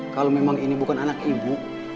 kalau memang ini bukan anak ibu